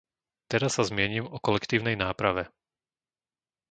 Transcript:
Teraz sa zmienim o kolektívnej náprave.